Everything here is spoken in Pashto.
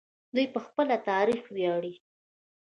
دوی په خپل تاریخ ویاړي.